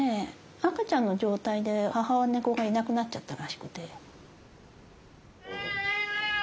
赤ちゃんの状態で母猫がいなくなっちゃったらしくて。